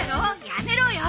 やめろよ！